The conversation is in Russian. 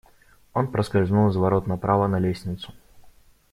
Он проскользнул из ворот направо на лестницу.